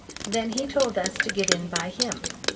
Then he told us to get in by him.